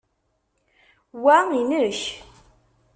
Wa inek.